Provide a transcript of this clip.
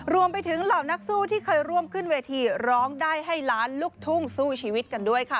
เหล่านักสู้ที่เคยร่วมขึ้นเวทีร้องได้ให้ล้านลูกทุ่งสู้ชีวิตกันด้วยค่ะ